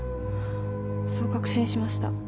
そう確信しました。